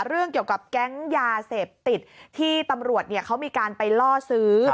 เรื่องเกี่ยวกับแก๊งยาเสพติดที่ตำรวจเขามีการไปล่อซื้อ